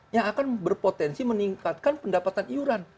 yang akan berpotensi meningkatkan pendapatan iuran